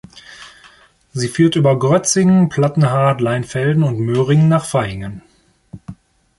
Sie führt über Grötzingen, Plattenhardt, Leinfelden und Möhringen nach Vaihingen.